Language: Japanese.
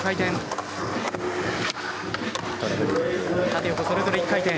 縦横それぞれ１回転。